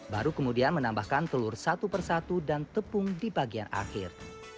baru kemudian menambahkan telur satu persatu dan tepung di bagian akhir